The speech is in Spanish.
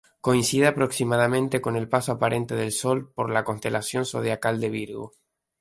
Coincide aproximadamente con el paso aparente del Sol por la constelación zodiacal de Virgo.